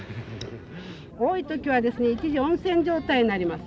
多い時はですね一時温泉状態になります。